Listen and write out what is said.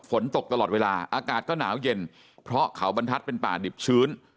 ฝนตกตลอดเวลาอากาศก็หนาวเย็นเพราะเขาบรรทัศน์เป็นป่าดิบชื้น